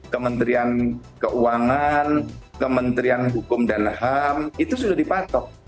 kementerian keuangan kementerian hukum dan ham itu sudah dipatok